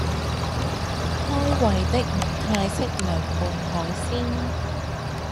開胃的泰式涼拌海鮮